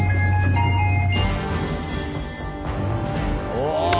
お！